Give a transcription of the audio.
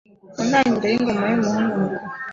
mu ntangiriro yingoma yumuhungu Mukuru